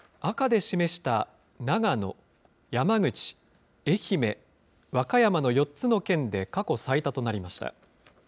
赤で示した長野、山口、愛媛、和歌山の４つの県で過去最多となりました。